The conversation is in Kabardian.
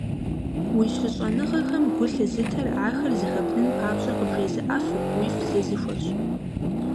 Уи щыщӀэныгъэхэм гу лъызытэр, ахэр зэхэбнын папщӀэ къыбжезыӀэфыр, уифӀ зезыхуэрщ.